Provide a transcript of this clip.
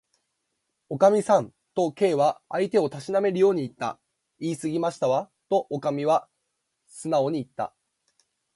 「おかみさん」と、Ｋ は相手をたしなめるようにいった。「いいすぎましたわ」と、おかみはすなおにいった。